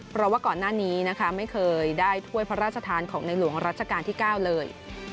เพราะว่าก่อนหน้านี้นะคะไม่เคยได้ถ้วยพระราชทานของในหลวงรัชกาลที่๙เลย